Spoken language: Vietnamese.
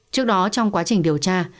trước đó trong quá trình điều tra